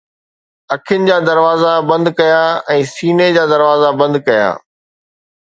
اکين جا دروازا بند ڪيا ۽ سيني جا دروازا بند ڪيا